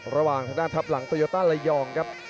ระหว่างทางด้านทัพหลังโตโยต้าระยองครับ